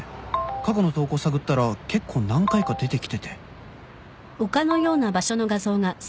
「過去の投稿探ったら結構何回か出てきてて」